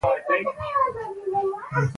پرمختګ له دروغو نه رامنځته کېږي.